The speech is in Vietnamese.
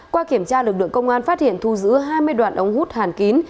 qua kiểm tra lực lượng công an phát hiện thu giữ hai mươi đoạn ống hút hàn kín